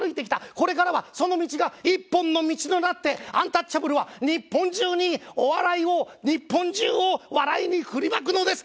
これからはその道が一本の道となってアンタッチャブルは日本中にお笑いを日本中に笑いを振りまくのです。